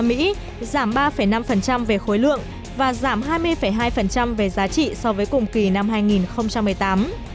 giảm ba năm về khối lượng và giảm hai mươi hai về giá trị so với cùng kỳ năm hai nghìn một mươi tám